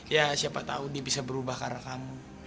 ya siapa tahu dia bisa berubah karena kamu